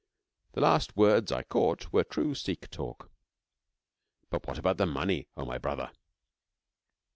The last words I caught were true Sikh talk: 'But what about the money, O my brother?'